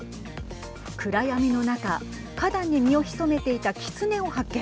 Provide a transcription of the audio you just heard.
暗闇の中、花壇に身を潜めていたきつねを発見。